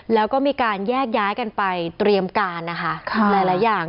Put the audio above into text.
แล้วก็มีการแยกย้ายกันไปเตรียมการนะคะหลายอย่าง